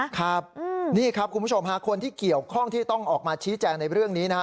ครับนี่ครับคุณผู้ชมฮะคนที่เกี่ยวข้องที่ต้องออกมาชี้แจงในเรื่องนี้นะฮะ